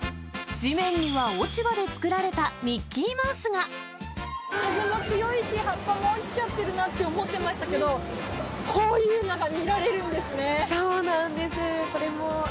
地面には落ち葉で作られたミ風も強いし、葉っぱも落ちちゃってるなって思ってましたけど、こういうのが見そうなんです。